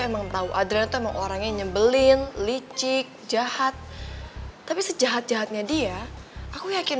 emang tahu adrian emang orangnya nyebelin licik jahat tapi sejahat jahatnya dia aku yakin